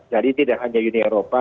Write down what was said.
jadi tidak hanya uni eropa